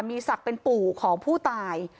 มีศักดิ์เป็นปู่ของผู้ตาย